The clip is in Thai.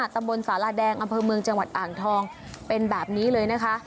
ตำบลสาราแดงอำเภอเมืองจังหวัดอ่างทองเป็นแบบนี้เลยนะคะ